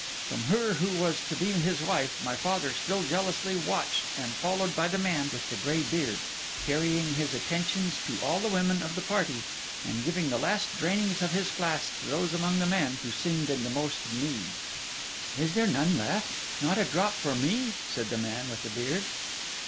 From her who was to be his wife, my father, still jealously watched and followed by the man with the grey beard, carried his attentions to all the women of the party, and gave the last drainings of his flask to those among the men who seemed in the most need. 'Is there none left? not a drop for me?' said the man with the beard.